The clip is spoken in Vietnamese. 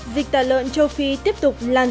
dịch tà lợn châu phi tiếp tục lan rộng